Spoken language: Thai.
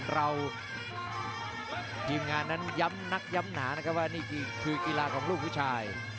ทีมงานนั้นย้ำนักย้ำหนานะครับว่านี่คือกีฬาของลูกผู้ชาย